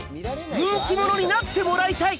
人気者になってもらいたい！